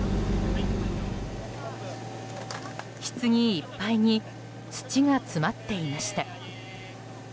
ひつぎいっぱいに土が詰まっていました。